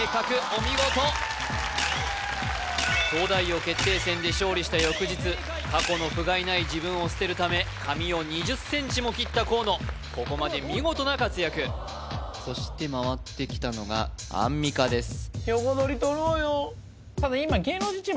お見事東大王決定戦で勝利した翌日過去のふがいない自分を捨てるためここまで見事な活躍そして回ってきたのがアンミカです